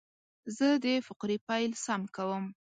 زه د فقرې پیل سم کوم.